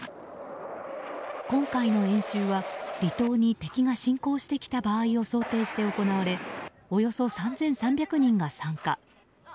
今回の演習は離島に敵が侵攻してきた場合を想定して行われおよそ３３００人が参加。